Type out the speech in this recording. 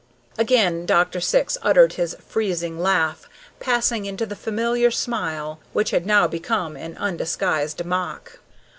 Again Dr. Syx uttered his freezing laugh, passing into the familiar smile, which had now become an undisguised mock.